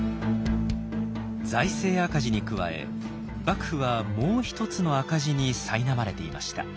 財政赤字に加え幕府はもう一つの赤字にさいなまれていました。